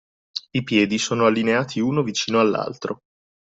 I piedi sono allineati uno vicino all’altro.